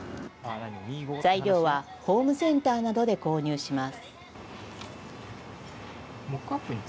材料はホームセンターなどで購入します。